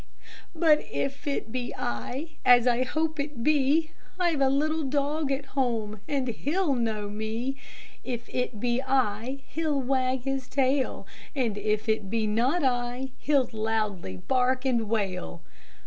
"But if it be I, as I hope it be, I've a little dog at home, and he'll know me; If it be I, he'll wag his little tail, And if it be not I, he'll loudly bark and wail."